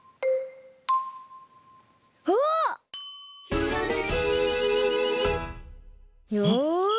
「ひらめき」よし！